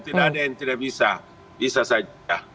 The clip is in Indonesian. tidak ada yang tidak bisa bisa saja